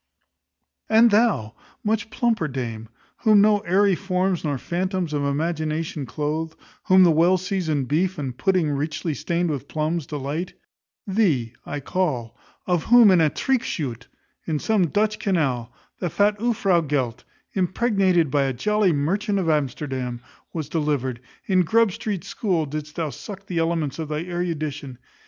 And thou, much plumper dame, whom no airy forms nor phantoms of imagination cloathe; whom the well seasoned beef, and pudding richly stained with plums, delight: thee I call: of whom in a treckschuyte, in some Dutch canal, the fat ufrow gelt, impregnated by a jolly merchant of Amsterdam, was delivered: in Grub street school didst thou suck in the elements of thy erudition.